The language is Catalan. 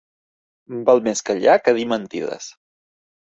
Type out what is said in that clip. Val més callar que dir mentides.